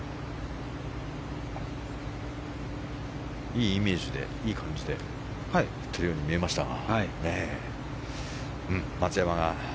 いいイメージでいい感じで打っているように見えましたが。